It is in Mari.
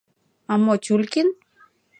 — А мо Тюлькин?